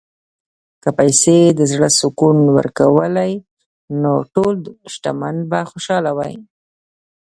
که پیسې د زړه سکون ورکولی، نو ټول شتمن به خوشاله وای.